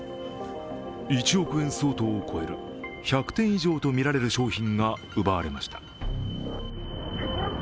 １億円相当を超える１００点以上とみられる商品が奪われました。